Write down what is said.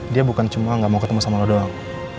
dia bukan cuma gak mau ketemu sama lo doang